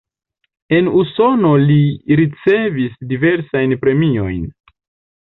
En Usono li ricevis diversajn premiojn.